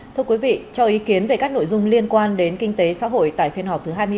thưa quý vị cho ý kiến về các nội dung liên quan đến kinh tế xã hội tại phiên họp thứ hai mươi ba